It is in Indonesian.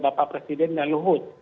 bapak presiden dan luhut